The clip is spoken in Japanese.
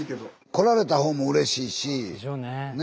来られた方もうれしいし。でしょうね。